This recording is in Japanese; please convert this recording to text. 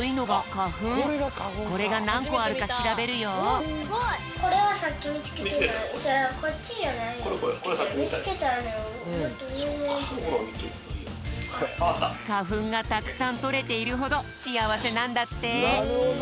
かふんがたくさんとれているほどしあわせなんだって。